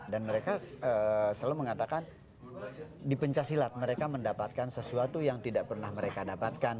dan mereka selalu mengatakan di pencak silat mereka mendapatkan sesuatu yang tidak pernah mereka dapatkan